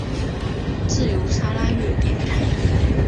自由砂拉越电台。